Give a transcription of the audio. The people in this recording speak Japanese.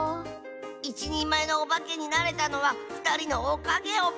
いちにんまえのおばけになれたのはふたりのおかげオバ。